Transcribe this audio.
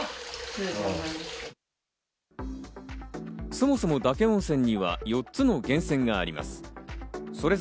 そもそも嶽温泉には４つの源泉があります。